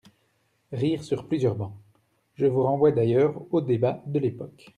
(Rires sur plusieurs bancs) Je vous renvoie d’ailleurs aux débats de l’époque.